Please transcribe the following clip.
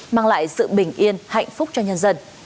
mang lại sự bình yên hạnh phúc cho nhân dân